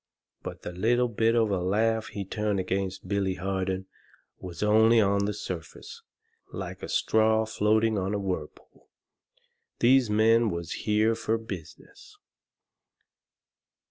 But the little bit of a laugh he turned against Billy Harden was only on the surface, like a straw floating on a whirlpool. These men was here fur business.